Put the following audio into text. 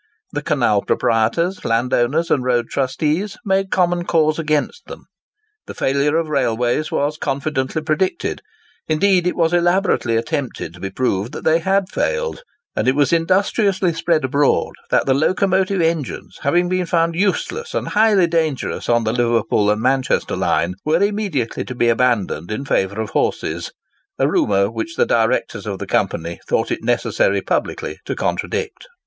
The canal proprietors, landowners, and road trustees, made common cause against them. The failure of railways was confidently predicted—indeed, it was elaborately attempted to be proved that they had failed; and it was industriously spread abroad that the locomotive engines, having been found useless and highly dangerous on the Liverpool and Manchester line, were immediately to be abandoned in favour of horses—a rumour which the directors of the Company thought it necessary publicly to contradict.